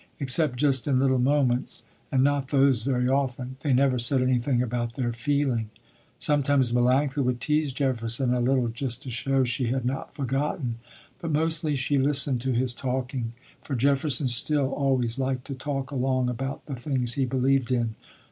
Except just in little moments, and not those very often, they never said anything about their feeling. Sometimes Melanctha would tease Jefferson a little just to show she had not forgotten, but mostly she listened to his talking, for Jefferson still always liked to talk along about the things he believed in.